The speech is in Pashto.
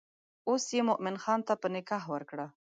اوس یې مومن خان ته په نکاح ورکړه.